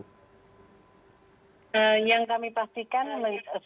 yang kami pastikan setiap menjelang libur panjang seperti ini